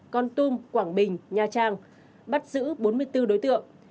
con tum quảng bình nha trang bắt giữ bốn mươi bốn đối tượng